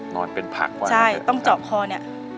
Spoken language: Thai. เปลี่ยนเพลงเพลงเก่งของคุณและข้ามผิดได้๑คำ